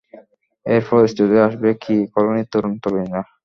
এরপর স্টেজে আসবে বি কলোনির তরুণ তরুণীরা।